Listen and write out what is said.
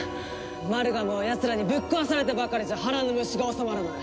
マルガムをやつらにぶっ壊されてばかりじゃ腹の虫が治まらない。